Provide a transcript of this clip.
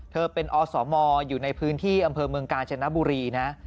เธอเป็นอสมอยู่ในพื้นที่อำเภอเมืองกาญจนบุรีนะ